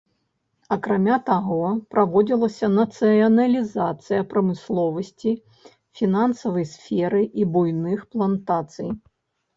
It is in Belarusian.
Акрамя таго, праводзілася нацыяналізацыя прамысловасці, фінансавай сферы і буйных плантацый.